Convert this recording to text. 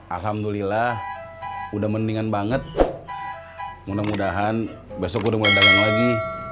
alhamdulillah udah mendingan banget mudah mudahan besok udah mulai dagang lagi